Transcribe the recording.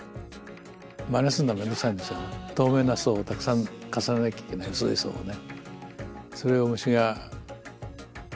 透明な層をたくさん重ねなきゃいけない薄い層をね。